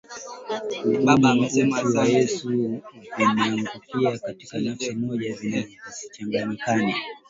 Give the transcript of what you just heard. Umungu na utu wa Yesu vimeunganika katika nafsi moja visichanganyikane